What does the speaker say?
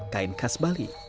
kain khas bali